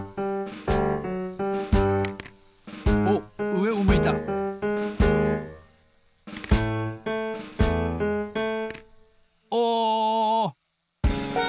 おっうえを向いたお！